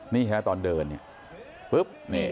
นี่แค่ตอนเดินเนี่ย